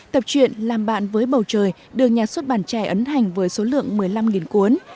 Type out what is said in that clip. tập truyện làm bạn với bầu trời được nhà xuất bản trẻ ấn hành với số lượng một mươi năm cuốn